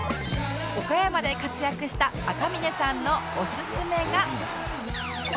岡山で活躍した赤嶺さんのオススメが